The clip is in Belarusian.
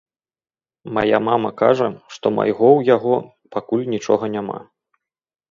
Мая мама кажа, што майго ў яго пакуль нічога няма.